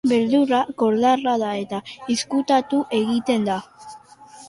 Beldurra koldarra da eta izkutatu egiten da.